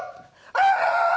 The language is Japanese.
ああ！